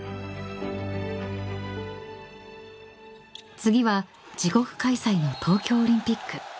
［次は自国開催の東京オリンピック］